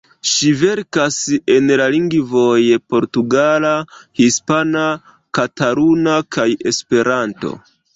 Ŝi verkas en la lingvoj portugala, hispana, kataluna kaj Esperanto.